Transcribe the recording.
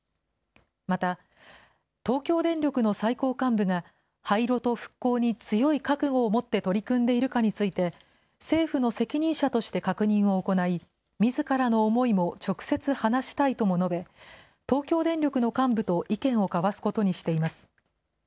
また、東京電力の最高幹部が、廃炉と復興に強い覚悟を持って取り組んでいるかについて、政府の責任者として確認を行い、みずからの思いも直接話したいとも述べ、東京電力の幹部と意見を交わすことにしています。